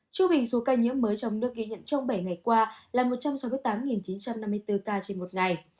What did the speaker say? trung bình số ca nhiễm mới trong nước ghi nhận trong bảy ngày qua là một trăm sáu mươi tám chín trăm năm mươi bốn ca trên một ngày